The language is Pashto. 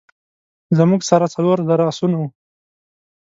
زموږ سره څلور زره آسونه وه.